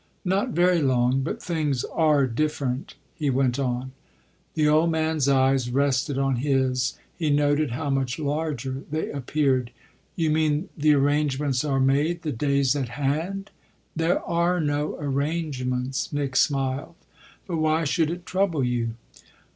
"Not very long but things are different," he went on. The old man's eyes rested on his he noted how much larger they appeared. "You mean the arrangements are made the day's at hand?" "There are no arrangements," Nick smiled. "But why should it trouble you?"